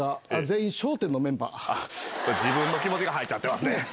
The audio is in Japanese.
自分の気持ちが入っちゃってますね。